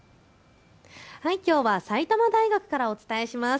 きょうは埼玉大学からお伝えします。